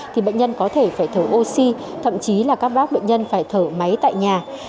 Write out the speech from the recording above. thì bệnh nhân có thể phải thở oxy thậm chí là các bác bệnh nhân phải thở máy tại nhà